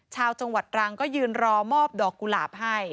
ชาวจังหวัดตรังก็ยืนรอมอบดอกกุหลาบให้